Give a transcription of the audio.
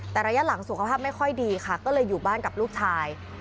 แต่ระยะหลังสุขภาพไม่ค่อยดีค่ะก็เลยอยู่บ้านกับลูกชาย